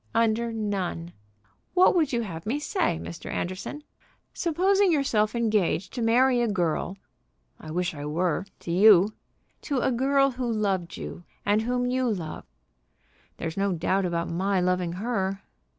"Under none. What would you have me say, Mr. Anderson? Supposing yourself engaged to marry a girl " "I wish I were to you." "To a girl who loved you, and whom you loved?" "There's no doubt about my loving her."